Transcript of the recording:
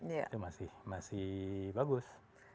itu masih bagus